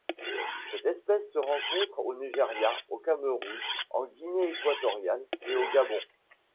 Cette espèce se rencontre au Nigeria, au Cameroun, en Guinée équatoriale et au Gabon.